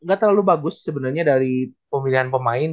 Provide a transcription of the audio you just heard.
ga terlalu bagus sebenernya dari pemilihan pemain